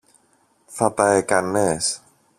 θα τα έκανες;